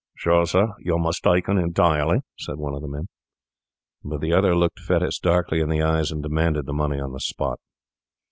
'Sure, sir, you're mistaken entirely,' said one of the men. But the other looked Fettes darkly in the eyes, and demanded the money on the spot.